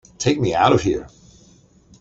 Take me out of here!